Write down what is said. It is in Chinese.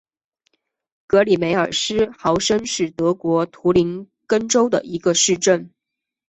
格里梅尔斯豪森是德国图林根州的一个市镇。